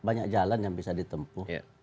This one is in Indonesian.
banyak jalan yang bisa ditempuh